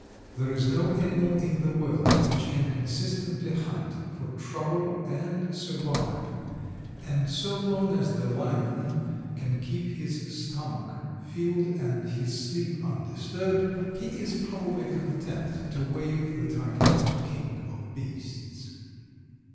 There is no animal in the world which can consistently hunt for trouble and survive, and so long as the Lion can keep his stomach filled and his sleep undisturbed he is probably content to waive the title of king of beasts.